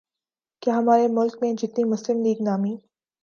کیا ہمارے ملک میں جتنی مسلم لیگ نامی